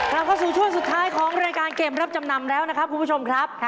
เราเข้าสู่ช่วงสุดท้ายของรายการเกมรับจำนำแล้วนะครับคุณผู้ชมครับ